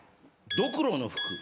ドクロの服。